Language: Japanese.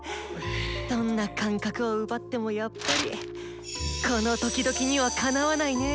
どんな感覚を奪ってもやっぱりこのドキドキにはかなわないね！